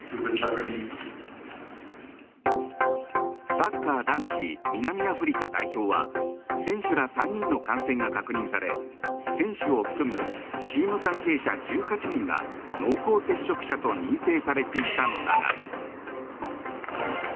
サッカー男子南アフリカ代表は選手ら３人の感染が確認され選手を含むチーム関係者１８人が濃厚接触者と認定されていたのだが。